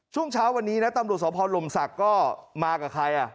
ช่วงเช้าวันนี้นะตำรวจสพลมศักดิ์ก็มากับใคร